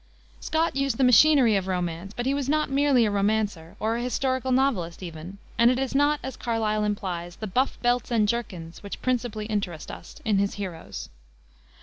Scott used the machinery of romance, but he was not merely a romancer, or a historical novelist even, and it is not, as Carlyle implies, the buff belts and jerkins which principally interest us in his heroes.